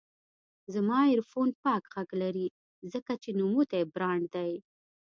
زما ایرفون پاک غږ لري، ځکه چې نوموتی برانډ دی.